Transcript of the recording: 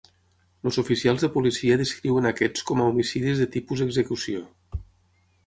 Els oficials de policia descriuen aquests com a homicidis de tipus execució.